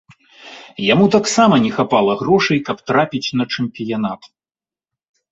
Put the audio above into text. Яму таксама не хапала грошай, каб трапіць на чэмпіянат.